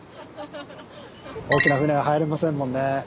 大きな船は入れませんもんね。